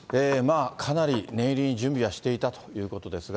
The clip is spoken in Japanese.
かなり念入りに準備はしていたということですが。